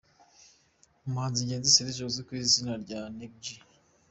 Umuhanzi Ngenzi Serge uzwi ku izina rya Neg G.